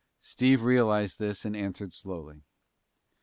Steve realized this and answered slowly.